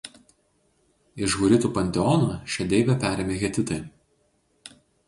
Iš huritų panteono šią deivę perėmė hetitai.